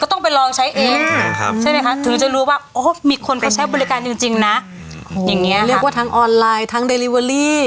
ต้องไปลองใช้เองใช่ไหมคะถึงจะรู้ว่ามีคนไปใช้บริการจริงนะอย่างนี้เรียกว่าทั้งออนไลน์ทั้งเดลิเวอรี่